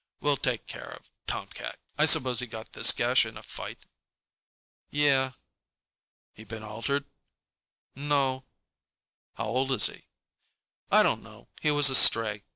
We'll take care of tomcat. I suppose he got this gash in a fight?" "Yeah." "He been altered?" "No." "How old is he?" "I don't know. He was a stray.